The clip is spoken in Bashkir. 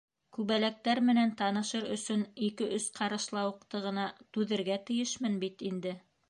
Күбәләктәр менән танышыр өсөн ике-өс ҡаршылауыҡты ғына түҙергә тейешмен бит инде.